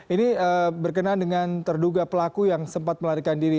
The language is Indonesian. ini berkenaan dengan terduga pelaku yang sempat melarikan diri